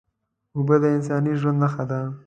اوبه د انساني ژوند نښه ده